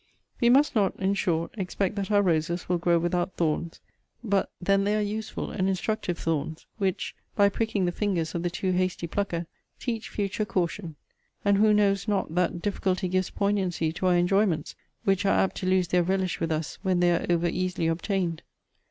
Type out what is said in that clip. We must not, in short, expect that our roses will grow without thorns: but then they are useful and instructive thorns: which, by pricking the fingers of the too hasty plucker, teach future caution. And who knows not that difficulty gives poignancy to our enjoyments; which are apt to lose their relish with us when they are over easily obtained?